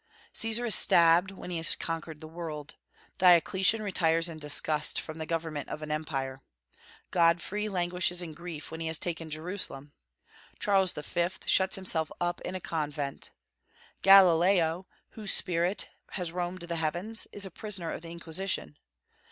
Caesar is stabbed when he has conquered the world. Diocletian retires in disgust from the government of an empire. Godfrey languishes in grief when he has taken Jerusalem. Charles V. shuts himself up in a convent. Galileo, whose spirit has roamed the heavens, is a prisoner of the Inquisition.